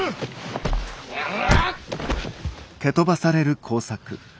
野郎！